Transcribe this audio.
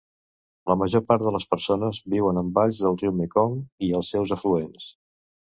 La major part de les persones viuen en valls del riu Mekong i els seus afluents.